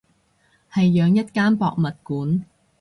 係養一間博物館